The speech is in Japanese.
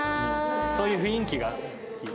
そういう雰囲気が好き。